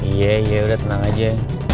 iya iya udah tenang aja